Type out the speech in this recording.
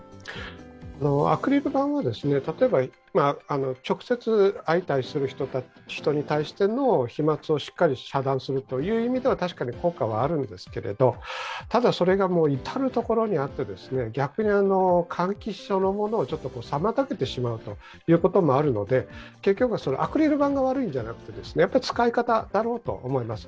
アクリル板は、例えば直接相対する人に対しての飛まつをしっかり遮断するという意味では確かに効果はあるんですが、ただそれが至る所にあって、逆に換気そのものを妨げてしまうこともあるので、結局、アクリル板が悪いんじゃなくて、使い方だろうと思います。